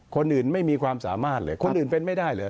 คนอื่นไม่มีความสามารถเลยคนอื่นเป็นไม่ได้เลย